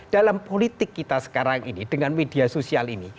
dalam politik kita sekarang ini dengan media sosial ini